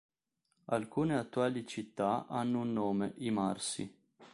Alcune attuali città hanno un nome i Marsi.